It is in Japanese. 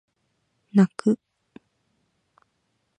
泣く